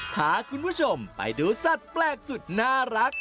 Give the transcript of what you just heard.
พาคุณผู้ชมไปดูสัตว์แปลกสุดน่ารัก